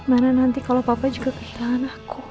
mana nanti kalau papa juga kehilangan aku